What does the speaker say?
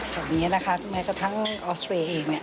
เหมือนกันนะคะแม้แท่งออสเตรียเอง